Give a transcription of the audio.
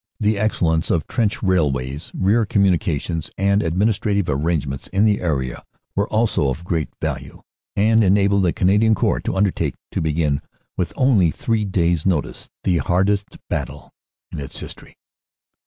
The excellence of trench railways, rear communications, and administrative arrangements in the area were also of great value, and enabled the Canadian Corps to undertake to begin, with only three days notice, the hardest battle in its history.